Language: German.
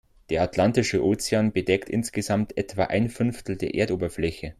Der Atlantische Ozean bedeckt insgesamt etwa ein Fünftel der Erdoberfläche.